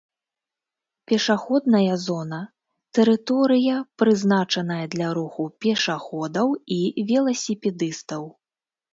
пешаходная зона — тэрыторыя, прызначаная для руху пешаходаў і веласіпедыстаў